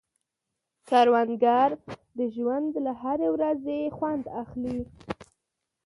کروندګر د ژوند له هرې ورځې خوند اخلي